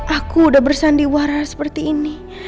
aku udah bersandiwara seperti ini